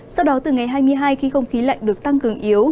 sau đó từ ngày hai mươi hai khi không khí lạnh được tăng cường yếu